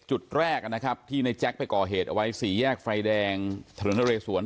จุดแรกนะครับพี่ในแจ๊คให้ก่อเหตุไว้สีแยกฟลายแดงถนะเลสวร